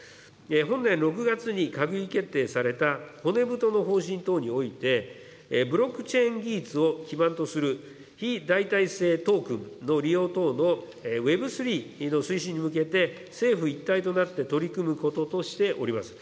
本年６月に閣議決定された骨太の方針等において、ブロックチェーン技術を基盤とする非代替性トークンの利用等のＷｅｂ３．０の推進に向けて、政府一体となって取り組むこととしております。